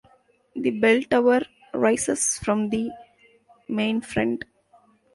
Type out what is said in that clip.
The bell tower rises from the main front.